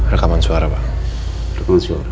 rekaman suara pak